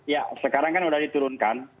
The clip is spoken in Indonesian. ya sekarang kan sudah diturunkan